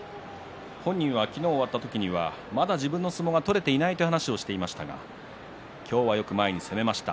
本人は昨日が終わった時にはまだ自分の相撲が取れていないという話をしていましたが今日はよく前に攻めました。